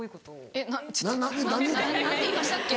えっな何て言いましたっけ？